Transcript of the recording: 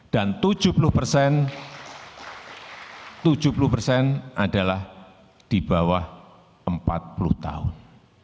dan tujuh puluh persen adalah di bawah empat puluh tahun